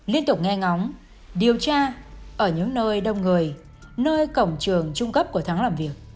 liên tục nghe ngóng điều tra ở những nơi đông người nơi cổng trường trung cấp của thắng làm việc